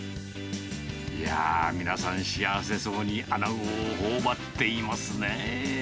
いやぁ、皆さん、幸せそうにあなごをほおばっていますね。